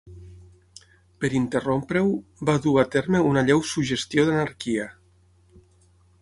Per interrompre-ho, va dur a terme una lleu suggestió d'anarquia.